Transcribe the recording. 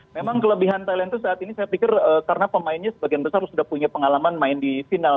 memang kelebihan thailand itu saat ini saya pikir karena pemainnya sebagian besar sudah punya pengalaman main di final